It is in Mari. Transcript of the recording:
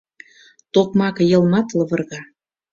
Токмак йылмат лывырга